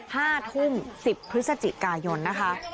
๕ทุ่ม๑๐พฤศจิกายนนะคะ